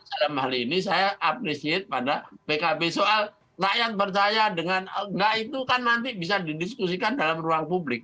dalam hal ini saya appreciate pada pkb soal rakyat percaya dengan enggak itu kan nanti bisa didiskusikan dalam ruang publik